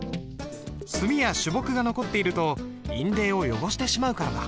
墨や朱墨が残っていると印泥を汚してしまうからだ。